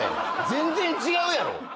全然違うやろ！？